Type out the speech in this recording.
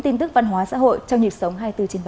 tin tức văn hóa xã hội trong nhịp sống hai mươi bốn h bảy